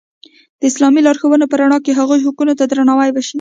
د اسلامي لارښوونو په رڼا کې هغوی حقونو ته درناوی وشي.